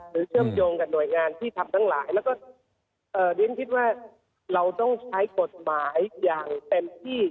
เชื่อมโยงกับหน่วยงานที่ทำทั้งหลายแล้วก็เรียนคิดว่าเราต้องใช้กฎหมายอย่างเต็มที่